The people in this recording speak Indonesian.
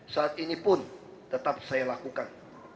saat ini pun tetap saya lakukan